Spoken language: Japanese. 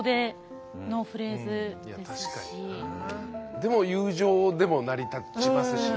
でも友情でも成り立ちますしね。